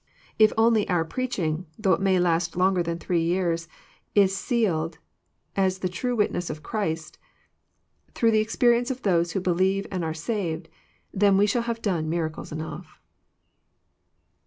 If only our preaching, though it may JOHN, CHAP. XI. 227 last longer than three years, is sealed f^ the tifie witness of Christ, through the experience of those who beiieve and are saved, then we shall have done miracles enough."